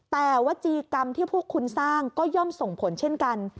แต่วจีกรรมที่พวกคุณสร้างก็ย่อมส่งผลเช่นกัน